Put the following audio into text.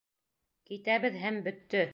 «Китәбеҙ» һәм бөттө!